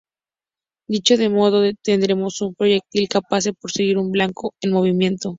Dicho de otro modo, tendremos un proyectil capaz de perseguir un blanco en movimiento.